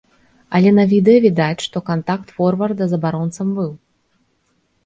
Але на відэа відаць, што кантакт форварда з абаронцам быў.